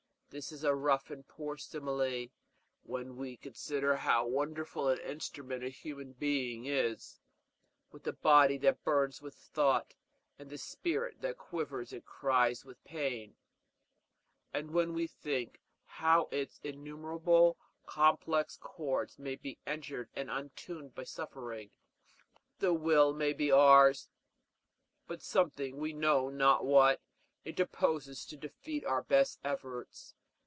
This is a rough and a poor simile, when we consider how wonderful an instrument a human being is, with the body that burns with thought, and the spirit that quivers and cries with pain, and when we think how its innumerable, complex chords may be injured and untuned by suffering. The will may be ours, but something, we know not what, interposes to defeat our best efforts.